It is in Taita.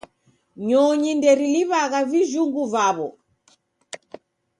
Nyonyi nderiliw'agha vijhungu vaw'o